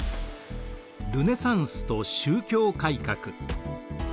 ルネサンスと宗教改革。